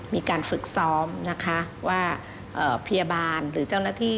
มีการฝึกซ้อมว่าเพียบารหรือเจ้าหน้าที่